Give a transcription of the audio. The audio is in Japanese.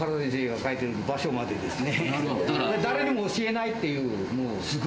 誰にも教えないという。